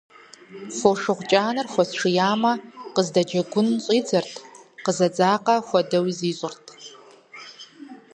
Фошыгъу кӀанэр хуэсшиямэ, къыздэджэгун щӀидзэрт, къызэдзакъэ хуэдэуи зищӀырт.